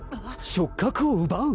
触覚を奪う？